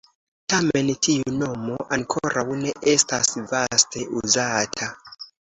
Tamen, tiu nomo ankoraŭ ne estas vaste uzata.